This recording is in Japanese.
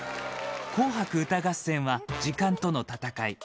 紅白歌合戦は時間との戦い。